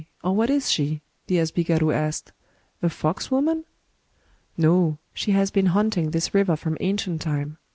— or what is she ?" the asbi garu asked, — "a Fox Woman?" " No ; she has been haunting this river from ancient time.